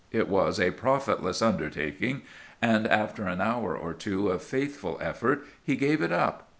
It was a profitless undertaking, and after an hour or two of faithful effort he gave it up.